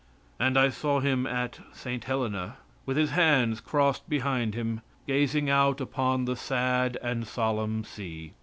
And I saw him at St. Helena, with his hands crossed behind him, gazing out upon the sad and solemn sea.